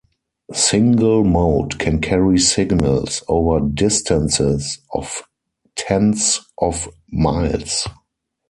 Single mode can carry signals over distances of tens of miles.